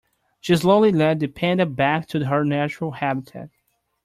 She slowly led the panda back to her natural habitat.